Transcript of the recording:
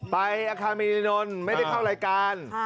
ไปอาคารมีรินลไม่ได้เข้ารายการ